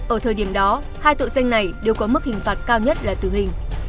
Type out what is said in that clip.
ở thời điểm đó hai tội danh này đều có mức hình phạt cao nhất là tử hình